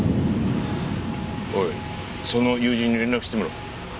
おいその友人に連絡してみろ。